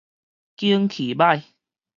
景氣䆀